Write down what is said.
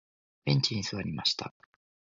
ベンチに座りました。